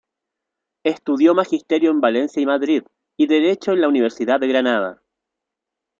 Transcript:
Estudió Magisterio en Valencia y Madrid, y derecho en la Universidad de Granada.